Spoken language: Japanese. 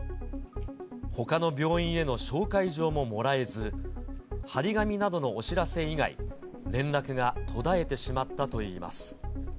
ほかの病院への紹介状ももらえず、貼り紙などのお知らせ以外、連絡が途絶えてしまったといいます。